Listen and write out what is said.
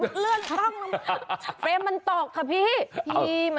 มันเลื่อนต้องฟเลมมันตอกค่ะพี่